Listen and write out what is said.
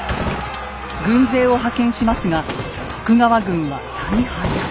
軍勢を派遣しますが徳川軍は大敗。